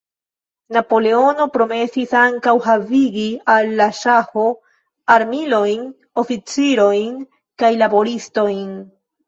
Napoleono promesis ankaŭ havigi al la Ŝaho armilojn, oficirojn kaj laboristojn.